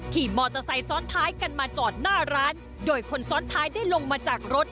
ขี่มอเตอร์ไซค์ซ้อนท้ายกันมาจอดหน้าร้านโดยคนซ้อนท้ายได้ลงมาจากรถ